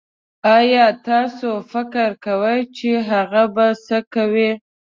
ايا تاسو فکر کوي چې هغه به سه کوئ